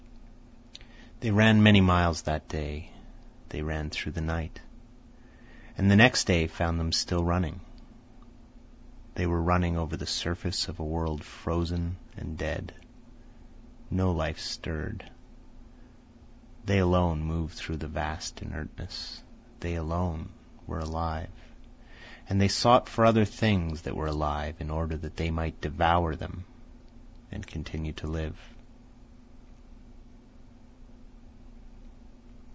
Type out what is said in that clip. They ran many miles that day. They ran through the night. And the next day found them still running. They were running over the surface of a world frozen and dead. No life stirred. They alone moved through the vast inertness. They alone were alive, and they sought for other things that were alive in order that they might devour them and continue to live.